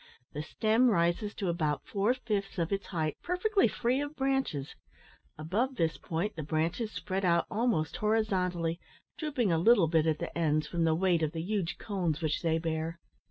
The stem rises to about four fifths of its height perfectly free of branches; above this point the branches spread out almost horizontally, drooping a little at the ends from the weight of the huge cones which they bear.